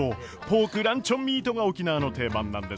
ポークランチョンミートが沖縄の定番なんです。